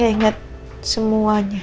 gak inget semuanya